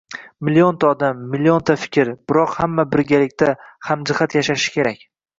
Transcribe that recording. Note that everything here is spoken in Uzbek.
millionta odam, millionta fikr, biroq hamma birgalikda, hamjihat yashashi kerak.